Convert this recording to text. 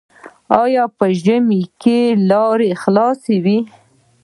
آیا په ژمي کې لاره خلاصه وي؟